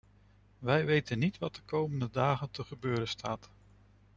Wij weten niet wat de komende dagen te gebeuren staat.